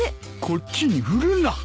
こっちに振るな。